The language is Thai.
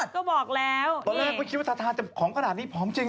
ตอนแรกคิดว่าคำถามเหตุผลของไว้ล่ะเนี้ยดูนะ